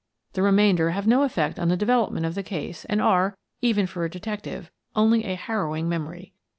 The remainder have no effect on the development of the case and are, even for a detective, only a harrowing memory.